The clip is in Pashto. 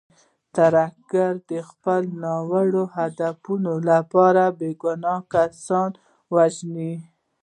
ترهګر د خپلو ناوړو اهدافو لپاره بې ګناه کسان وژني.